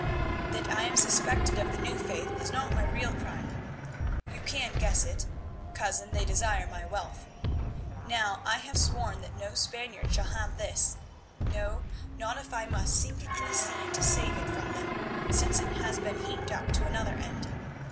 That I am suspected of the New Faith is not my real crime. You can guess it. Cousin, they desire my wealth. Now I have sworn that no Spaniard shall have this, no, not if I must sink it in the sea to save it from them, since it has been heaped up to another end.